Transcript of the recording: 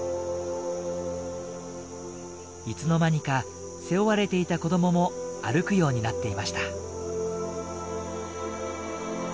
いつの間にか背負われていた子どもも歩くようになっていました。